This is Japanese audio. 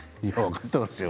分かってますよ。